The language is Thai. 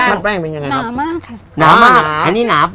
รสชาติแป้งเป็นอย่างไรครับ